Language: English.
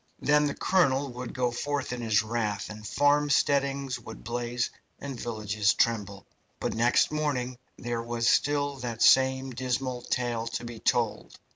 Then the colonel would go forth in his wrath, and farmsteadings would blaze and villages tremble; but next morning there was still that same dismal tale to be told.